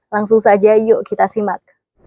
langsung saja yuk kita simak